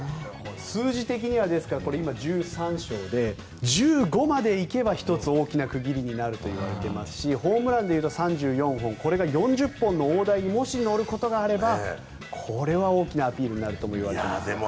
数字的には１３勝で１５まで行けば１つ、大きな区切りになるといわれていますしホームランでいうと３４本これが４０本の大台にもし乗ることがあればこれは大きなアピールになるといわれています。